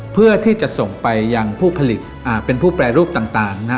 เพื่อที่จะส่งไปยังผู้ผลิตอ่าเป็นผู้แปรรูปต่างนะฮะ